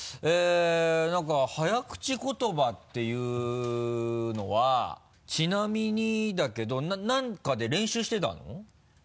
何か早口言葉っていうのはちなみにだけど何かで練習してたの？